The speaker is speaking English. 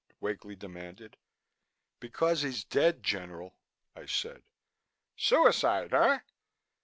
Wakely demanded. "Because he's dead, General," I said. "Suicide, eh?"